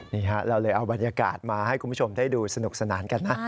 นี่ฮะเราเลยเอาบรรยากาศมาให้คุณผู้ชมได้ดูสนุกสนานกันนะ